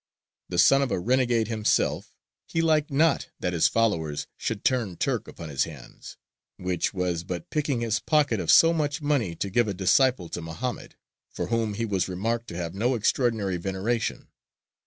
The son of a renegade himself, he liked not that his followers should turn Turk upon his hands; which "was but picking his pocket of so much money to give a disciple to Mohammed, for whom he was remarked to have no extraordinary veneration.